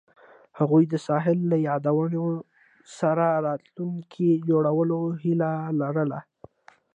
هغوی د ساحل له یادونو سره راتلونکی جوړولو هیله لرله.